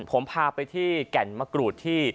ผมพาไปที่แก่นมะกรูดที่